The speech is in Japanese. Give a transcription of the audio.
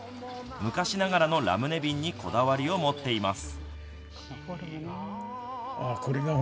昔ながらのラムネ瓶にこだわりを持っています。